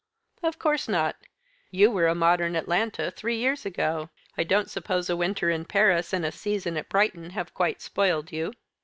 "Of course not. You were a modern Atalanta three years ago. I don't suppose a winter in Paris and a season at Brighton have quite spoiled you."